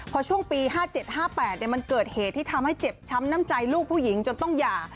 พอช่วงปี๕๗๕๘มันเกิดเหตุที่ทำให้เจ็บช้ำน้ำใจลูกผู้หญิงจนต้องหย่า